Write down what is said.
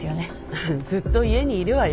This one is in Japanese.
うんずっと家にいるわよ。